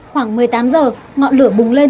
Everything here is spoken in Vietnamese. khoảng một mươi tám giờ ngọn lửa bùng lên